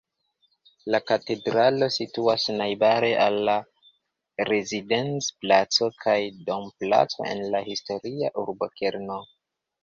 La katedralo situas najbare al la Rezidenz-placo kaj Dom-placo en la historia urbokerno.